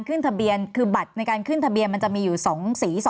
ขึ้นทะเบียนคือบัตรในการขึ้นทะเบียนมันจะมีอยู่๒สี